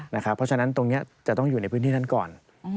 เพราะฉะนั้นตรงนี้จะต้องอยู่ในพื้นที่นั้นก่อน